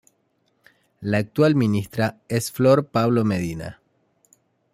La actual ministra es Flor Pablo Medina.